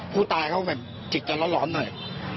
ผู้ตายเขาแบบจิตจะร้อนหน่อย